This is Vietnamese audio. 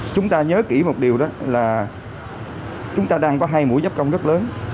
chúng ta nhớ kỹ một điều đó là chúng ta đang có hai mũi giáp công rất lớn